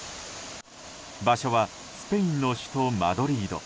場所はスペインの首都マドリード。